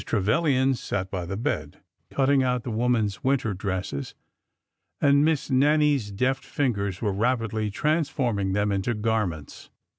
Tre vilian sat by the bed, cutting out the women^s winter dresses, and Miss Nannie's deft fingers were rapidly transforming them into garments.